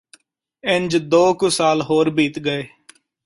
ਇੰਞ ਦੋ ਕੂ ਸਾਲ ਹੋਰ ਬੀਤ ਗਏ